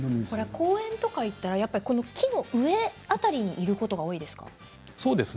公園に行ったら木の上辺りにいることが多いですか。